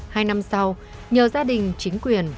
hai năm sau nhờ gia đình chính quyền